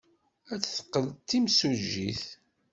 Ad teqqel d timsujjit.